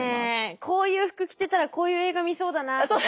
こういう服着てたらこういう映画見そうだなとか。